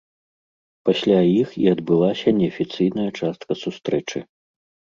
Пасля іх і адбылася неафіцыйная частка сустрэчы.